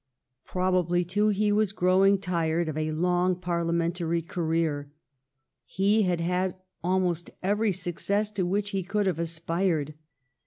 Probably, too, he was grow ing tired of a long Parliamentary career. He had had almost every success to which he could have aspired.